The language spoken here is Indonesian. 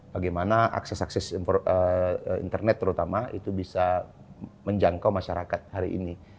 bagaimana akses akses internet terutama itu bisa menjangkau masyarakat hari ini